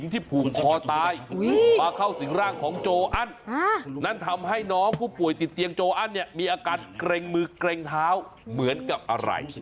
มีอาการเกรงมือเกรงเท้าเหมือนกับอะไร